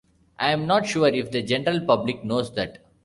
I'm not sure if the general public knows that.